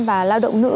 và lao động nữ